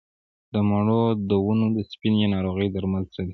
د مڼو د ونو د سپینې ناروغۍ درمل څه دي؟